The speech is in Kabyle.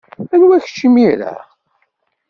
Anwa kečč, imir-a?